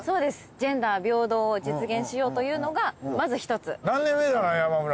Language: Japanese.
ジェンダー平等を実現しようというのがまず１つ。